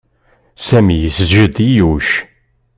Sami yesǧed i Yuc.